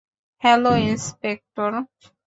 Hello, inspector.